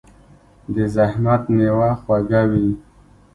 د زحمت میوه خوږه وي.